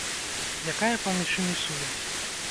Якая паміж імі сувязь?